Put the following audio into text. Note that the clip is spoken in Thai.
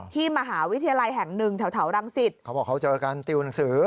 ที่มหาวิทยาลัยแห่งหนึ่งแถวแถวรังสิตเขาบอกเขาเจอกันติวหนังสือ